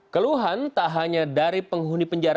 keluhan tak hanya dari penghuni penjara